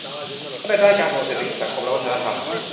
ทั้งในด้านการเมืองเศรษฐกิจ สังคม และวัฒนธรรม